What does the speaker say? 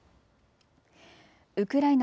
ウクライナ